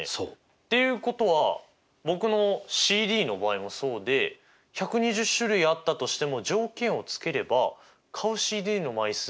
っていうことは僕のＣＤの場合もそうで１２０種類あったとしても条件をつければ買うＣＤの枚数を減らすことができると。